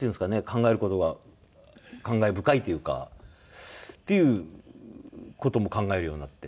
考える事が感慨深いというか。っていう事も考えるようになって。